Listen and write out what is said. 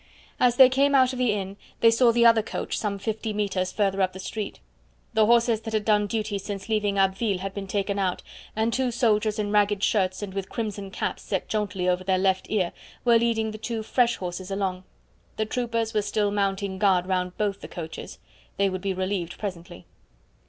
As they came out of the inn they saw the other coach some fifty metres further up the street. The horses that had done duty since leaving Abbeville had been taken out, and two soldiers in ragged shirts, and with crimson caps set jauntily over their left ear, were leading the two fresh horses along. The troopers were still mounting guard round both the coaches; they would be relieved presently.